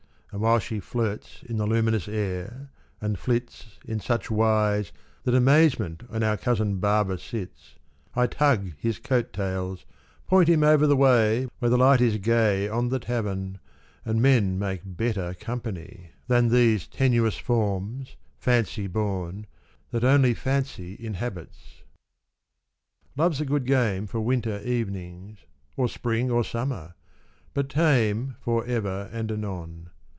And while she flirts in the luminous air and flits In such wise That amazement on our cousin Barbor sits, I tug his coat tails, point him over the way Where the light is gay On the tavern, and men make better company 20 Than these tenuous forms, fancy born, that only fancy Inhabits. Love's a good game For winter evenings — or spring or summer, But tame For ever and anon.